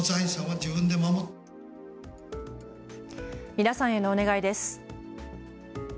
皆さんへのお願いです。